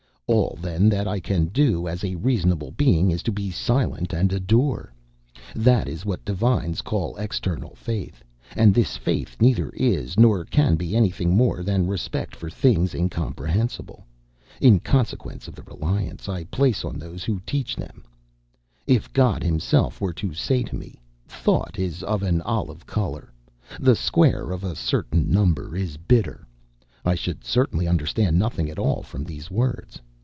All, then, that I can do, as a reasonable being, is to be silent and adore. That is what divines call external faith; and this faith neither is, nor can be, anything more than respect for things incomprehensible, in consequence of the reliance I place on those who teach them; If God himself were to say to me, "Thought is of an olive colour;" "the square of a certain number is bitter;" I should certainly understand nothing at all from these words.